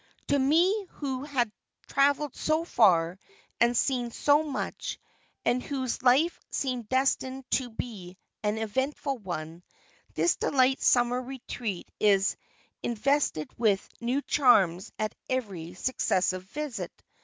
To me who have travelled so far and seen so much, and whose life seems destined to be an eventful one, this delightful summer retreat is invested with new charms at each successive visit.